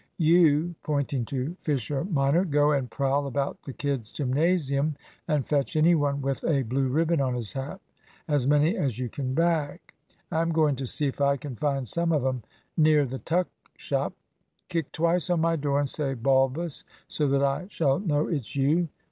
You," pointing to Fisher minor, "go and prowl about the kids' gymnasium and fetch any one with a blue ribbon on his hat, as many as you can bag. I'm going to see if I can find some of 'em near the tuck shop. Kick twice on my door and say `Balbus,' so that I shall know it's you.